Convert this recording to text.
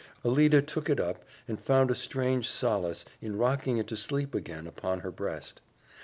Alida took it up and found a strange solace in rocking it to sleep again upon her breast.